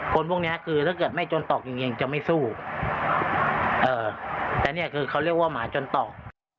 คนพวกนี้คือถ้าเกิดไม่จนตอกจริงจะไม่สู้แต่เนี่ยคือเขาเรียกว่าหมาจนตอก